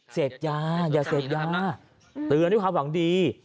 เสพยาอย่าเสพยาเตือนด้วยความหวังดี